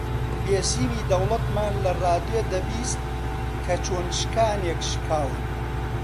بێسیمی دەوڵەتمان لە ڕادیۆ دەبیست کە چۆن شکانێک شکاون